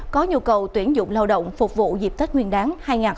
có nhu cầu tuyển dụng lao động phục vụ dịp tết nguyên đáng hai nghìn hai mươi bốn